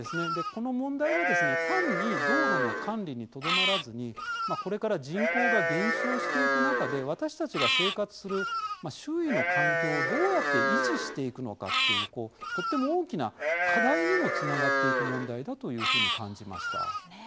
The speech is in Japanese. この問題はですね単に道路の管理にとどまらずにこれから人口が減少していく中で私たちが生活する周囲の環境をどうやって維持していくのかっていうとっても大きな課題にもつながっていく問題だというふうに感じました。